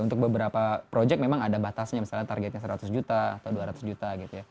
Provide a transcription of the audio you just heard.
untuk beberapa proyek memang ada batasnya misalnya targetnya seratus juta atau dua ratus juta gitu ya